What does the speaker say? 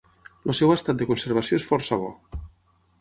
El seu estat de conservació és força bo.